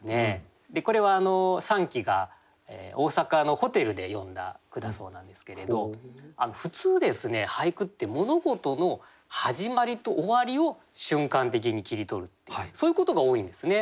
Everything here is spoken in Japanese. これは三鬼が大阪のホテルで詠んだ句だそうなんですけれど普通ですね俳句って物事の始まりと終わりを瞬間的に切り取るっていうそういうことが多いんですね。